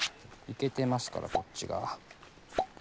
イケてますからこっちが。